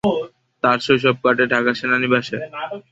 তার শৈশব কাটে ঢাকার সেনানিবাসে।